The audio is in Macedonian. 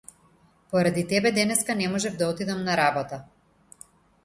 Поради тебе денеска не можев да отидам на работа.